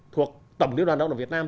thuộc tổng liên đoàn lao động việt nam